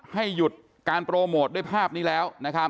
ให้หยุดการโปรโมทด้วยภาพนี้แล้ว